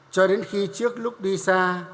cho đến khi trước lúc đi xa